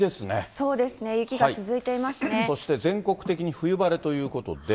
そうですね、雪が続いていまそして全国的に冬晴れということで。